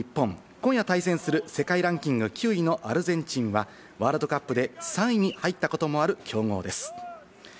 今夜対戦する世界ランキング９位のアルゼンチンはワールドカップで３位に入ったこともある強豪です。